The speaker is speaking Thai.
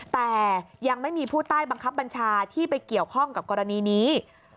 แต่ยังไม่มีผู้ใต้บังคับบัญชาที่ไปเกี่ยวข้องกับกรณีนี้